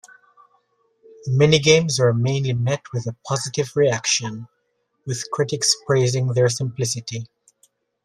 The minigames were mainly met with a positive reaction, with critics praising their simplicity.